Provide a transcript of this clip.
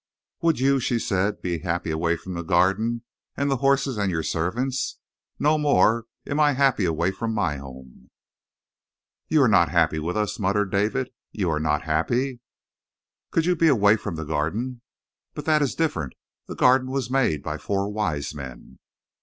"Would you," she said, "be happy away from the Garden, and the horses and your servants? No more am I happy away from my home." "You are not happy with us?" muttered David. "You are not happy?" "Could you be away from the Garden?" "But that is different. The Garden was made by four wise men."